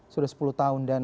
sudah sepuluh tahun dan